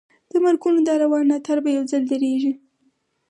د مرګونو دا روان ناتار به یو ځل درېږي.